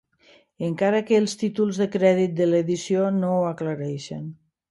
Encara que els títols de crèdit de l'edició no ho aclareixen.